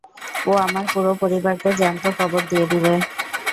ও আমার পুরো পরিবারকে জ্যান্ত কবর দিয়ে দিবে।